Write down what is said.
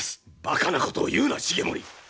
バカなことを言うな重盛。